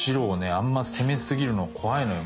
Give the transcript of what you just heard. あんま攻めすぎるの怖いのよ